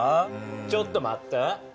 ちょっと待って！